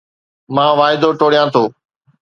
مان واعدو ٽوڙيان ٿو